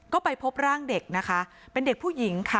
ก็ไปพบร่างเด็กนะคะเป็นเด็กผู้หญิงค่ะ